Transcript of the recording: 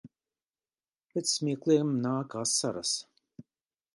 Pēc smiekliem nāk asaras.